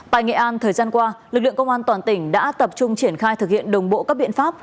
tại nghệ an thời gian qua lực lượng công an toàn tỉnh đã tập trung triển khai thực hiện đồng bộ các biện pháp